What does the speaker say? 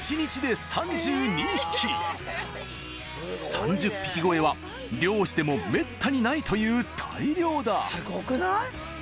３０匹超えは漁師でもめったにないという大漁だすごくない？